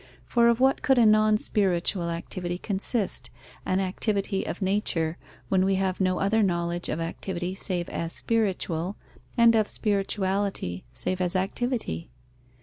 For of what could a non spiritual activity consist, an activity of nature, when we have no other knowledge of activity save as spiritual, and of spirituality save as activity?